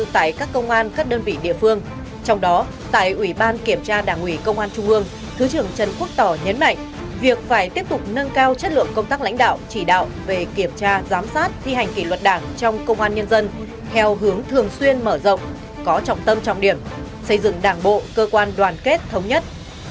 tại các công an các đơn vị địa phương trong đó tại ủy ban kiểm tra đảng ủy công an trung ương thứ trưởng trần quốc tỏ nhấn mạnh việc phải tiếp tục nâng cao chất lượng công tác lãnh đạo chỉ đạo về kiểm tra giám sát thi hành kỷ luật đảng trong công an nhân dân theo hướng thường xuyên mở rộng có trọng tâm trọng điểm xây dựng đảng bộ cơ quan đoàn kết thống nhất